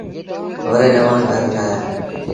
وري نوآن گھر ٺآهيآ۔